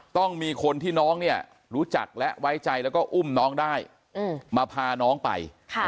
ต้องมีคนที่น้องเนี่ยรู้จักและไว้ใจแล้วก็อุ้มน้องได้มาพาน้องไป